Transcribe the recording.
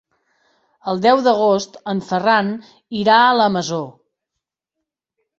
El deu d'agost en Ferran irà a la Masó.